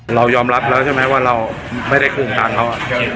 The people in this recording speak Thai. เรายอมรับแล้วใช่ไหมว่าเราไม่ได้คุมตังค์เขา